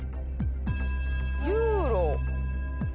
ユーロ。